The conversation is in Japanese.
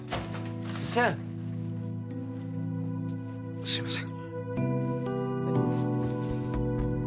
センすいません